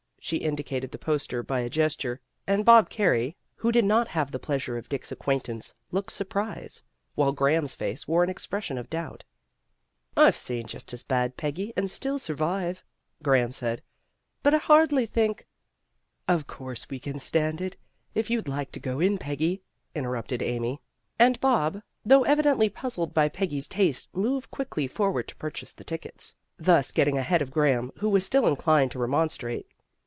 She indicated the poster by a gesture, and Bob Carey, who 215 216 PEGGY RAYMOND'S WAY did not have the pleasure of Dick's acquaint ance, looked surprised, while Graham's face wore an expression of doubt. "I've seen just as bad, Peggy, and still sur vive," Graham said. "But I hardly think " "Of course we can stand it, if you'd like to go in, Peggy," interrupted Amy. And Bob, though evidently puzzled by Peggy's taste moved quickly forward to purchase the tickets, thus getting ahead of Graham who was still inclined to remonstrate.